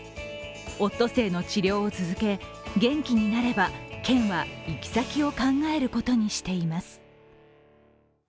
オットセイの治療を続け、元気になれば県は行き先を考えることにしています。